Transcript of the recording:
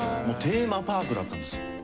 もうテーマパークだったんですよ。